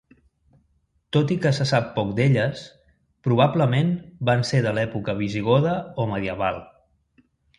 Tot i que se sap poc d'elles, probablement van ser de l'època visigoda o medieval.